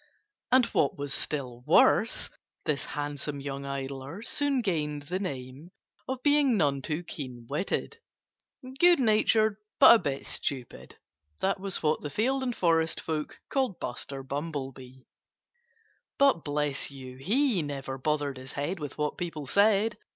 And what was still worse, this handsome young idler soon gained the name of being none too keen witted. Good natured, but a bit stupid that was what the field and forest folk called Buster Bumblebee. But bless you! He never bothered his head with what people said.